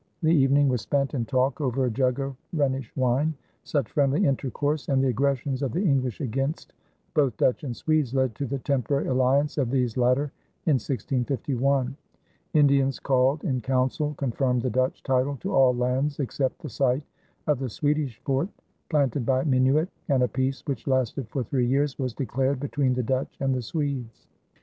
The evening was spent in talk over a jug of Rhenish wine. Such friendly intercourse and the aggressions of the English against both Dutch and Swedes led to the temporary alliance of these latter in 1651. Indians called in council confirmed the Dutch title to all lands except the site of the Swedish fort planted by Minuit, and a peace which lasted for three years was declared between the Dutch and the Swedes.